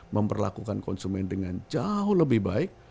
memperlakukan konsumen dengan jauh lebih baik